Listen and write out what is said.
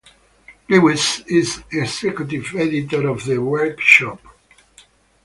Lewis is executive editor of the workshop.